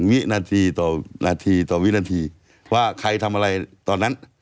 วินาทีต่อนาทีต่อวินาทีว่าใครทำอะไรตอนนั้น